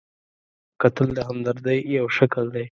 کتل د همدردۍ یو شکل دی